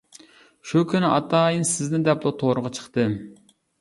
شۇ كۈنى ئاتايىن سىزنى دەپلا تورغا چىقتىم.